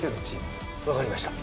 わかりました。